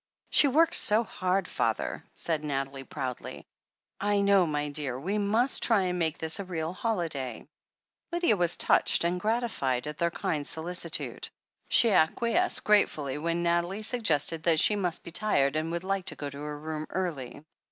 'She works so hard, father," said Nathalie proudly. 1 know, my dear. We must try and make this a real holiday." Lydia was touched and gratified at their kind solici tude. She acquiesced gratefully when Nathalie suggested that she must be tired, and would like to go to her room early.